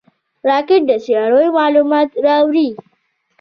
راکټ د سیارویو معلومات راوړي